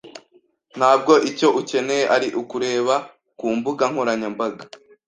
ntabwo icyo ukeneye ari ukureba ku mbuga nkoranyambaga